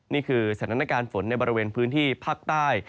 นี่คือสถานการณ์ฝนในบริเวณพื้นที่ภาคใต้